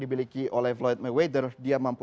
dibiliki oleh floyd mayweather dia mampu